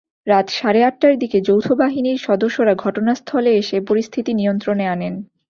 রাত সাড়ে আটটার দিকে যৌথ বাহিনীর সদস্যরা ঘটনাস্থলে এসে পরিস্থিতি নিয়ন্ত্রণে আনেন।